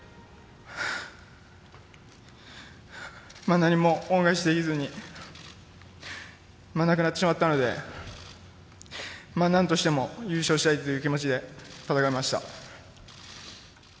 何も恩返しできずに、亡くなってしまったので、なんとしても優勝したいという気持ちで戦いました。